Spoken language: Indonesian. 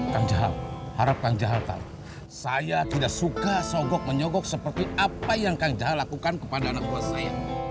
kang jahal harap kang jahal tahu saya tidak suka sogok menyogok seperti apa yang kang jahal lakukan kepada anak buah saya